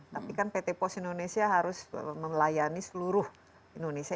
tapi kan pt pos indonesia harus melayani seluruh indonesia